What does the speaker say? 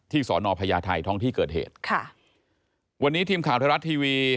สอนอพญาไทยท้องที่เกิดเหตุค่ะวันนี้ทีมข่าวไทยรัฐทีวี